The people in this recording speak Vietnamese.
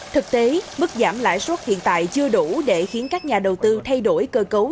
thực tế mức giảm lãi suất hiện tại chưa đủ để khiến các nhà đầu tư thay đổi cơ cấu